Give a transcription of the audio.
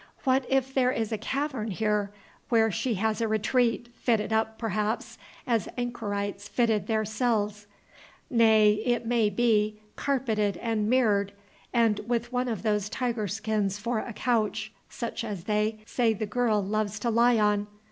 What if there is a cavern here, where she has a retreat, fitted up, perhaps, as anchorites fitted their cells, nay, it may be, carpeted and mirrored, and with one of those tiger skins for a couch, such as they, say the girl loves to lie on?